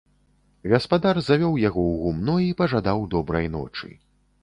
Гаспадар завёў яго ў гумно і пажадаў добрай ночы.